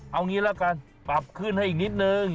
เอางี้ละกันปรับขึ้นให้อีกนิดนึง